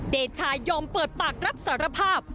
เดชายอมเปิดปากรับสารภาพ